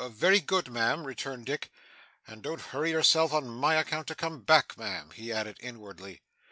'Very good, ma'am,' returned Dick. 'And don't hurry yourself on my account to come back, ma'am,' he added inwardly.